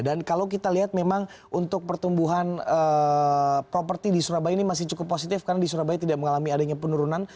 dan kalau kita lihat memang untuk pertumbuhan properti di surabaya ini masih cukup positif karena di surabaya tidak mengalami adanya penurunan